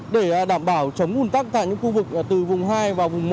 để đảm bảo chống ủn tắc tại những khu vực từ vùng hai và vùng một